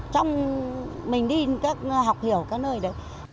trong mình đi các học hiểu các nơi đấy